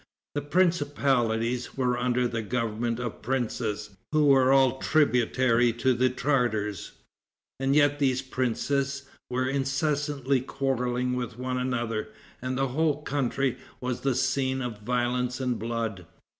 The principalities were under the government of princes who were all tributary to the Tartars, and yet these princes were incessantly quarreling with one another, and the whole country was the scene of violence and blood.